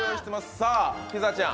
さあ、ピザちゃん。